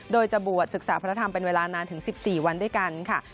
โดยจะบวชศึกษาพระธรรมเป็นเวลานานถึง๑๔วันด้วยกันค่ะ